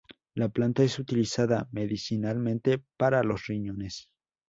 La planta es utilizada medicinalmente para los riñones.